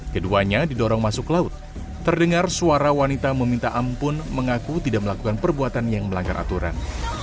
keduanya didorong masuk laut terdengar suara wanita meminta ampun mengaku tidak melakukan perbuatan yang melanggar aturan